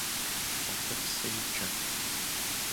Абы псы икӀэ.